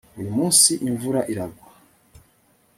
uyu munsi imvura iragwa